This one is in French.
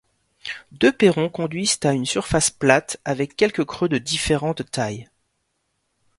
Deux perrons conduisent à une surface plate avec quelques creux de différentes tailles.